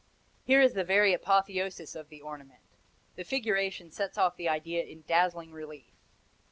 Here is the very apotheosis of the ornament; the figuration sets off the idea in dazzling relief.